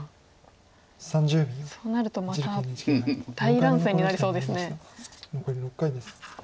そうなるとまた大乱戦になりそうですね。